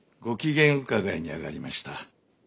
ご機嫌伺いにあがりました。